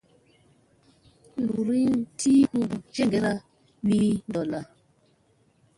Luurina tiini hu gijaŋga vi ɗolla.